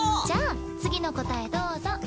じゃあ次の答えどうぞ。